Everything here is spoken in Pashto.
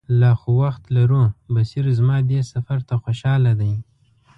لا خو وخت لرو، بصیر زما دې سفر ته خوشاله دی.